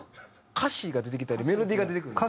歌詞が出てきたりメロディーが出てくるの？